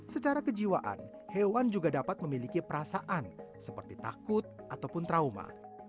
secara kejiwaan hewan juga dapat memiliki perasaan seperti takut ataupun trauma